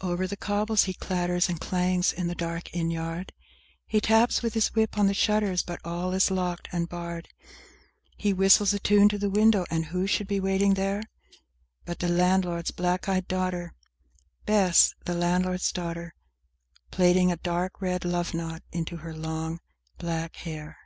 XI Over the cobbles he clatters and clangs in the dark inn yard; He taps with his whip on the shutters, but all is locked and barred; He whistles a tune to the window, and who should be waiting there But the landlord's black eyed daughter, Bess, the landlord's daughter, Plaiting a dark red love knot into her long black hair.